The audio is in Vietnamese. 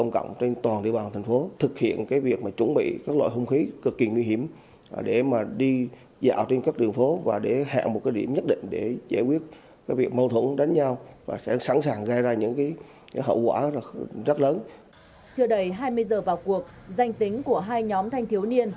chưa đầy hai mươi giờ vào cuộc danh tính của hai nhóm thanh thiếu niên